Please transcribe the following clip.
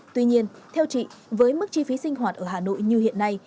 tuy nhiên theo chị với mức chi phí sinh hoạt ở hà nội như hiện nay